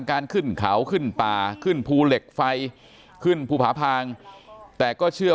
ขึ้นเขาขึ้นป่าขึ้นภูเหล็กไฟขึ้นภูผาพางแต่ก็เชื่อ